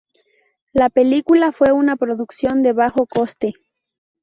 La película fue una producción de bajo coste.